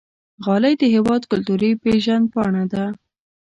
غالۍ د هېواد کلتوري پیژند پاڼه ده.